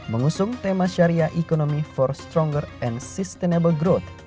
mengusung tema syariah ekonomi for stronger and sustainable growth